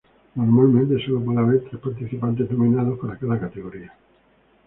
Normalmente, sólo puede haber tres participantes nominados para cada categoría.